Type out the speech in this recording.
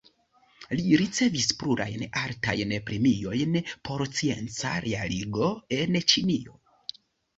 Li ricevis plurajn altajn premiojn por scienca realigo en Ĉinio.